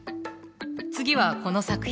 次はこの作品。